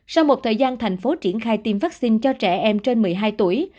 sau một thời gian thành phố triển khai tiêm vaccine cho trẻ em trên một mươi hai tuổi